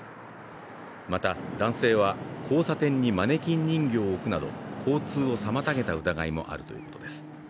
また男性は交差点にマネキン人形を置くなど交通を妨げた疑いもあるということです